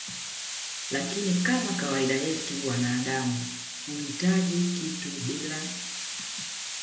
lakini Kama kawaida yetu wanaadamu huhitaji kitu bila